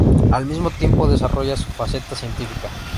Al mismo tiempo desarrolla su faceta científica.